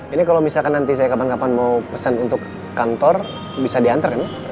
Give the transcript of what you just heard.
ini kalau misalkan nanti saya kapan kapan mau pesan untuk kantor bisa diantar kan